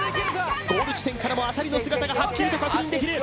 ゴール地点からも浅利の姿がはっきりと確認できる！